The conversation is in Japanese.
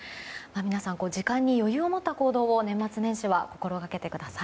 皆さん、時間に余裕を持った行動を年末年始は心がけてください。